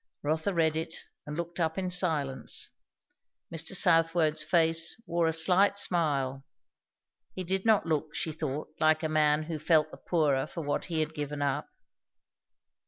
Rotha read it, and looked up in silence. Mr. Southwode's face wore a slight smile. He did not look, she thought, like a man who felt the poorer for what he had given up.